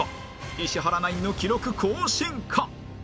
石原ナインの記録更新か？